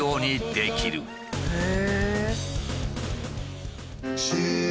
へえ！